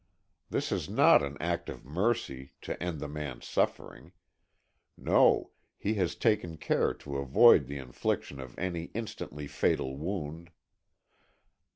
This is not an act of mercy, to end the man's suffering. No, he has taken care to avoid the infliction of any instantly fatal wound.